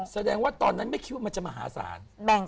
แสดงว่าตอนนั้นไม่คิดว่ามันจะมหาศาล